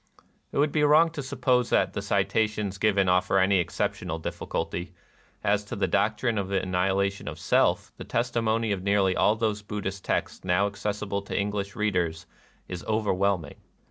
It would be wrong to suppose that the cita tions given offer any exceptional difficulty. As to the doctrine of the annihilation of Self, the testimony of nearly all those Buddhist texts now accessible to English readers is overwhelming.